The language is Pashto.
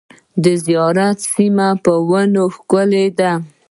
د زیارت سیمه په ونو ښکلې ده .